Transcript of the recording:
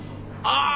ああ。